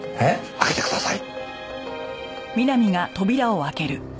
開けてください。